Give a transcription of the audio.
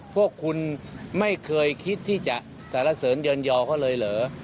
พวกคุณไม่เคยคิดที่จะสารเสริญเยินยอเขาเลยเหรอ